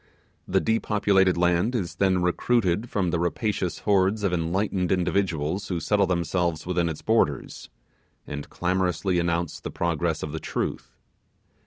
The depopulated land is then recruited from the rapacious, hordes of enlightened individuals who settle themselves within its borders, and clamorously announce the progress of the Truth.